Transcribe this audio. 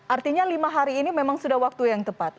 artinya lima hari ini memang sudah waktu yang tepat